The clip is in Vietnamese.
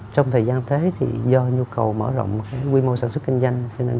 trong thời gian thế do nhu cầu mở rộng quy mô sản xuất kinh doanh